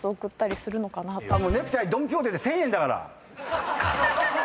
そっか。